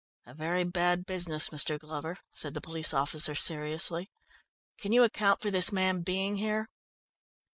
"A very bad business, Mr. Glover," said the police officer seriously. "Can you account for this man being here?"